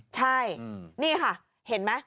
ใช่นี่ค่ะเห็นไหม